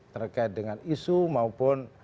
terkait dengan isu maupun